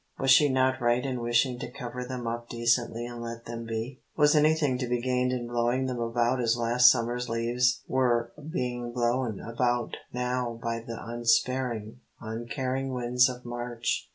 Was she not right in wishing to cover them up decently and let them be? Was anything to be gained in blowing them about as last summer's leaves were being blown about now by the unsparing, uncaring winds of March?